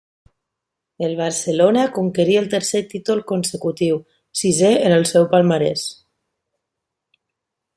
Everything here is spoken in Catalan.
El Barcelona conquerí el tercer títol consecutiu, sisè en el seu palmarès.